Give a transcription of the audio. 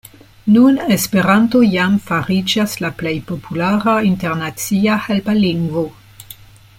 Nun Esperanto jam fariĝas la plej populara internacia helpa lingvo.